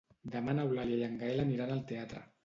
Demà n'Eulàlia i en Gaël aniran al teatre.